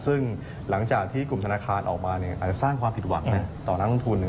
ซึ่งหลังจากที่กลุ่มธนาคารออกมาอาจจะสร้างความผิดหวังต่อนักลงทุน